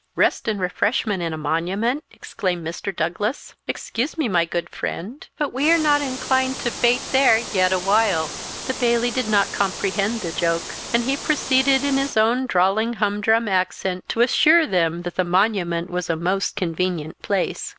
"Rest and refreshment in a monument!" exclaimed Mr. Douglas. "Excuse me, my good friend, but we are not inclined to bait there yet a while." The Bailie did not comprehend the joke; and he proceeded in his own drawling humdrum accent to assure them that the monument was a most convenient place.